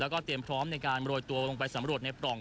ก็ยังพร้อมในการโรยตัวลงไปสำรวจในปล่อง